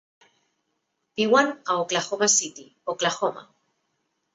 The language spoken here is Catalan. Viuen a Oklahoma City, Oklahoma.